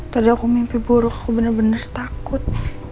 tadi aku mimpi buruk aku bener bener takut